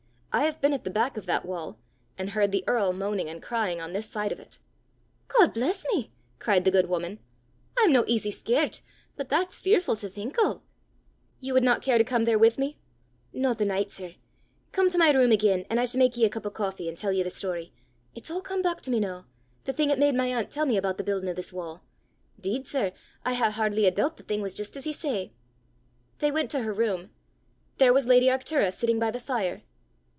I have been at the back of that wall, and heard the earl moaning and crying on this side of it!" "God bless me!" cried the good woman. "I'm no easy scaret, but that's fearfu' to think o'!" "You would not care to come there with me?" "No the nicht, sir. Come to my room again, an' I s' mak ye a cup o' coffee, an' tell ye the story it's a' come back to me noo the thing 'at made my aunt tell me aboot the buildin' o' this wa'. 'Deed, sir, I hae hardly a doobt the thing was jist as ye say!" They went to her room: there was lady Arctura sitting by the fire!